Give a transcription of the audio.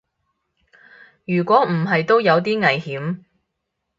如果唔係都有啲危險